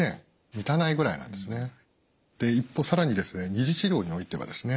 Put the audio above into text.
で一方更に２次治療においてはですね